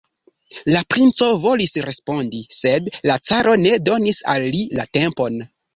La princo volis respondi, sed la caro ne donis al li la tempon.